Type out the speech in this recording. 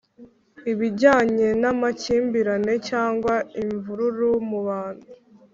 ibijyanye n amakimbirane cyangwa imvururu mubantu